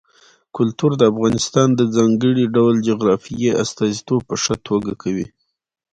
کلتور د افغانستان د ځانګړي ډول جغرافیې استازیتوب په ښه توګه کوي.